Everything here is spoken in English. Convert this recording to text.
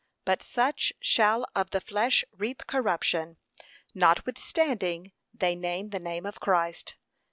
But such shall of the flesh reap corruption,' notwithstanding they name the name of Christ.